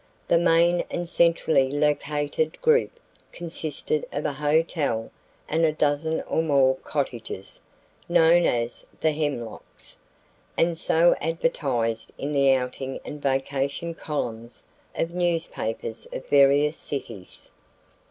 The main and centrally located group consisted of a hotel and a dozen or more cottages, known as "The Hemlocks," and so advertised in the outing and vacation columns of newspapers of various cities.